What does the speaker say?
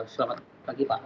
selamat pagi pak